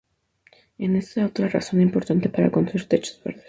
Es otra razón importante para construir techos verdes.